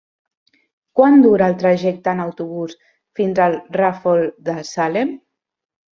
Quant dura el trajecte en autobús fins al Ràfol de Salem?